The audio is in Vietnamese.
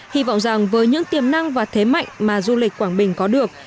hy vọng rằng với những tiềm năng và thế mạnh mà du lịch quảng bình có được